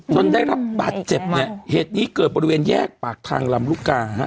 ได้รับบาดเจ็บเนี่ยเหตุนี้เกิดบริเวณแยกปากทางลำลูกกาฮะ